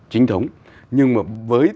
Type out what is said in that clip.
chính thống nhưng mà với